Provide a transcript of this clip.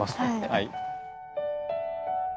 はい。